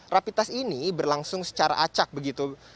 rapi tes ini berlangsung secara acak begitu